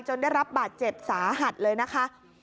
ได้รับบาดเจ็บสาหัสเลยนะคะ